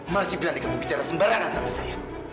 masih berani kamu bicara sembarangan sama saya